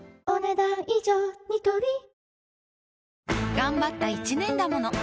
がんばった一年だもの。